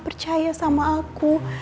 percaya sama aku